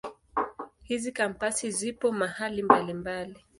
Hizi Kampasi zipo mahali mbalimbali.